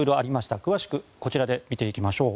詳しくこちらで見ていきましょう。